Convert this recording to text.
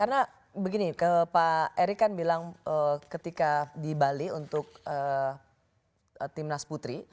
karena begini pak erick kan bilang ketika di bali untuk timnas putri